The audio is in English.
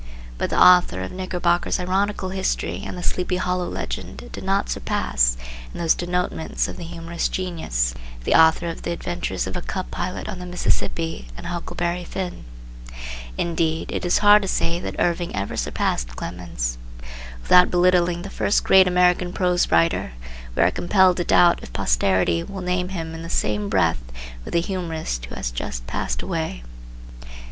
But the author of Knickerbocker's ironical history and the Sleepy Hollow legend did not surpass, in those denotements of the humorous genius, the author of "The Adventures of a Cub Pilot on the Mississippi" and "Huckleberry Finn." Indeed, it is hard to say that Irving ever surpassed Clemens. Without belittling the first great American prose writer we are compelled to doubt if posterity will name him in the same breath with the humorist who has just passed away.